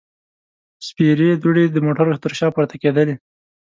سپېرې دوړې د موټرو تر شا پورته کېدلې.